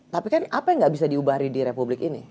tapi kan apa yang nggak bisa diubah di republik ini